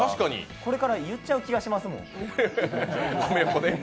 これから言っちゃう気がしますもん。